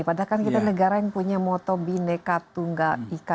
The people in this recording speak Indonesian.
padahal kan kita negara yang punya motobineka tunggal ika